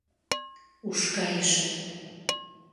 — Уш кайыше!